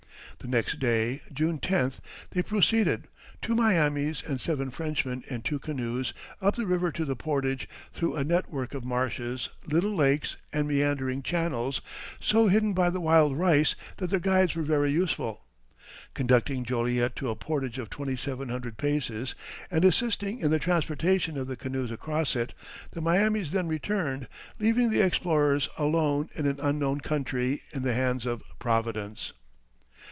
The next day, June 10th, they proceeded, two Miamis and seven Frenchmen in two canoes, up the river to the portage, through a net work of marshes, little lakes, and meandering channels so hidden by the wild rice that their guides were very useful. Conducting Joliet to a portage of 2,700 paces, and assisting in the transportation of the canoes across it, the Miamis then returned, leaving the explorers "alone in an unknown country, in the hands of Providence."